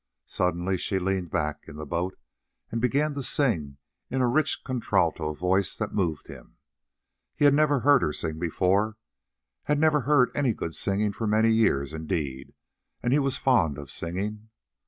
Suddenly she leaned back in the boat and began to sing in a rich contralto voice that moved him. He had never heard her sing before, had never heard any good singing for many years indeed, and he was fond of singing.